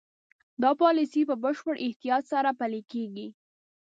دا پالیسي په بشپړ احتیاط سره پلي کېږي.